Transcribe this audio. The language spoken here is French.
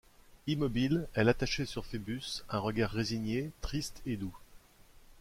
Immobile, elle attachait sur Phœbus un regard résigné, triste et doux.